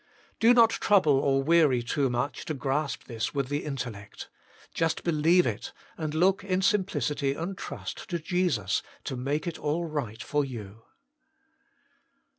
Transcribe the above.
4. Do not trouble or weary too much to grasp this with the intellect. Just believe it, and look in simplicity and trust to Jesus to make It all right for you.